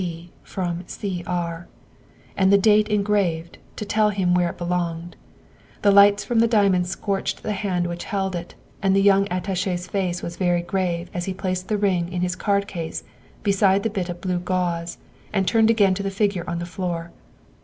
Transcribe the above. B. from C. R.," and the date engraved to tell him where it belonged. The lights from the diamond scorched the hand which held it, and the young Attache's face was very grave as he placed the ring in his card case beside the bit of blue gauze and turned again to the figure on the floor.